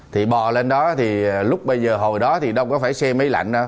thì bò lên đó thì lúc bây giờ hồi đó thì đâu có phải xe máy lạnh